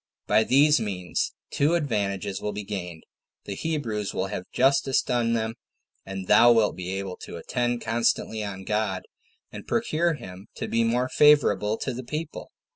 By these means two advantages will be gained; the Hebrews will have justice done them, and thou wilt be able to attend constantly on God, and procure him to be more favorable to the people."